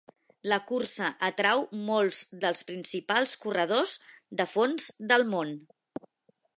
La cursa atrau molts dels principals corredors de fons del món.